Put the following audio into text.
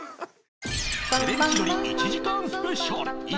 『テレビ千鳥』１時間スペシャル